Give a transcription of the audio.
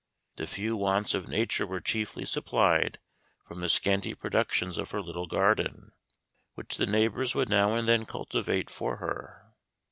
The few wants of nature were chiefly supplied from the scanty productions of her little garden, which the neighbors would now and then cultivate for her.